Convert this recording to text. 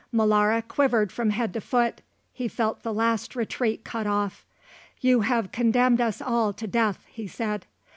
Molara quivered from head to foot; he felt the last retreat cut off. "You have condemned us all to death," he said.